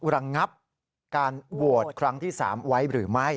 ระงับการโหวตครั้งที่๓ไว้หรือไม่